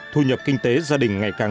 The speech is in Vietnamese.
thu nhập kinh tế gia đình ngày càng